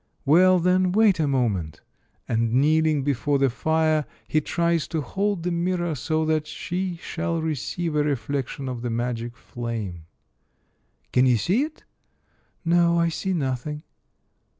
Well, then, wait a moment," and kneeling before the fire, he tries to hold the mirror so that she shall receive a reflection of the magic flame. " Can you see it?" "No! I see nothing."